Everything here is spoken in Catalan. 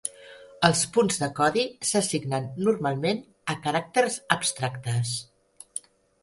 Els punts de codi s'assignen normalment a caràcters abstractes.